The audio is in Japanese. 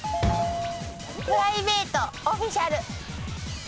プライベートオフィシャル。